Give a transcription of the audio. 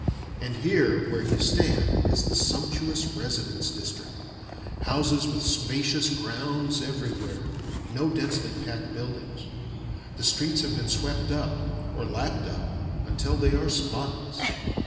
And here where you stand is the sumptuous residence district. Houses with spacious grounds everywhere: no densely packed buildings. The streets have been swept up or lapped up until they are spotless.